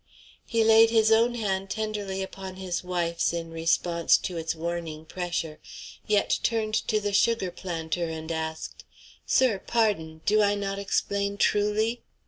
He laid his own hand tenderly upon his wife's in response to its warning pressure, yet turned to the sugar planter and asked: "Sir, pardon; do I not explain truly?"